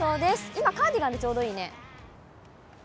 今、カーディガンでちょうどいいね。